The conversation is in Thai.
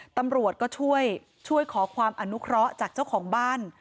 ตำรวจก็ช่วยขอความอนุเคราะห์จากเจ้าของบ้าน